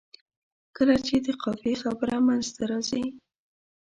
کله چې د قافیې خبره منځته راځي.